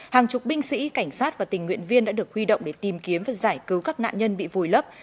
hàng chục binh sĩ cảnh sát và tình nguyện viên đã được huy động để tìm kiếm và giải cứu các nạn nhân bị vùi lấp